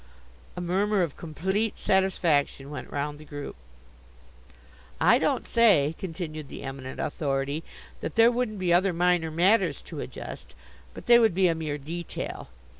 A murmur of complete satisfaction went round the group. "I don't say," continued the Eminent Authority, "that there wouldn't be other minor matters to adjust; but they would be a mere detail.